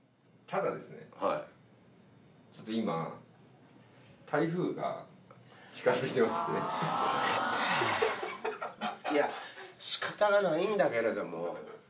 ただですね、ちょっと今、もうええて。いや、しかたがないんだけれども。